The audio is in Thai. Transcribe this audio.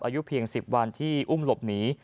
อายุเพียง๑๐วันที่อุ้มหลบหนี